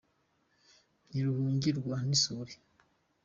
Ntiruhungirwa n’isuri.